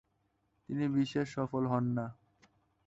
তিনি বিশেষ সফল হন না।